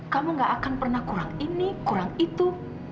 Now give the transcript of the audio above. kamu gak akan pernah kurang ini kurang itu